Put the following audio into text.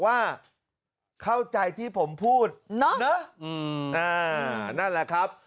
นั่นแหละครับ